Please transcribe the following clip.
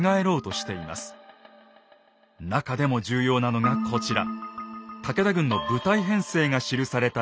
なかでも重要なのがこちら。